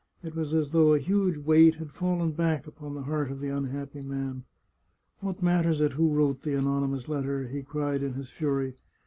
It was as though a huge weight had fallen back upon the heart of the unhappy man. " What matters it who wrote the anonymous letter ?" he cried in his fury.